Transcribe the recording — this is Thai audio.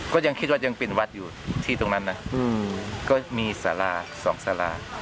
ก็ยังคิดว่ายังเป็นวัดอยู่ที่ตรงนั้นนะก็มีสาราสองสารา